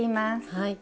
はい。